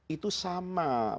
itu sama menurut saya